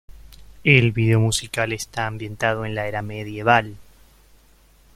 El vídeo musical está ambientado en la era medieval.